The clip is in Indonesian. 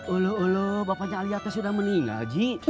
ulu ulu bapaknya alia tuh sudah meninggal ji